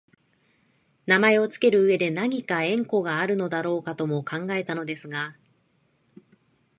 名前をつける上でなにか縁故があるのだろうかとも考えたのですが、